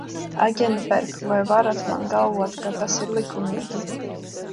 Aģent Bērk, vai varat man galvot, ka tas ir likumīgi?